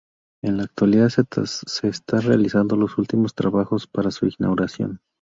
En la actualidad se están realizando los últimos trabajos para su inauguración.